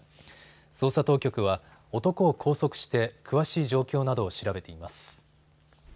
捜査当局は男を拘束して詳しい状況などを調べています。